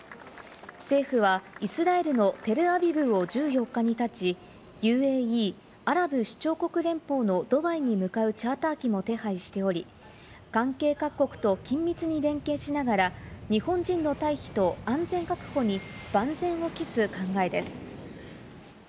政府はイスラエルのテルアビブを１４日にたち、ＵＡＥ＝アラブ首長国連邦のドバイに向かうチャーター機も手配しており、関係各国と緊密に連携しながら、日本人の退避と安全確保に万全を期す考えです。